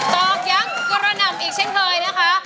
อกย้ำกระหน่ำอีกเช่นเคยนะคะ